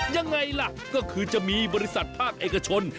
ยังไงล่ะก็คือจะมีบริษัทภาคเอกชน